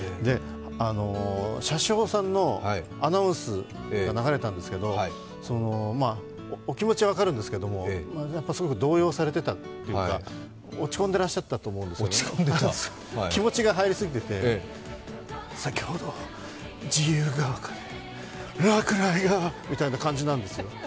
車掌さんのアナウンスが流れたんですけどお気持ちは分かるんですけども、すごく動揺されていたというか、落ち込んでいらっしゃったと思うんですけど、気持ちが入りすぎてて、先ほど自由が丘で落雷がみたいな感じなんですよ。